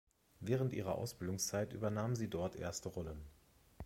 Während ihrer Ausbildungszeit übernahm sie dort erste Rollen.